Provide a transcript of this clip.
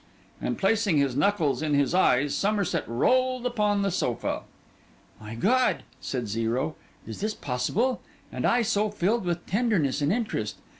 And placing his knuckles in his eyes, Somerset rolled upon the sofa. 'My God,' said Zero, 'is this possible? And I so filled with tenderness and interest!